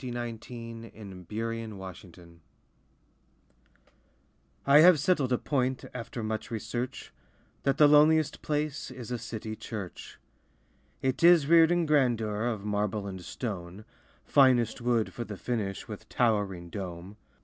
LIFE WAVES 78 THE CITY CHURCH I have settled a point After much research, That the loneliest place Is a city church. It is reared in grandeur Of marble and stone, Finest wood for the finish, With towering dome.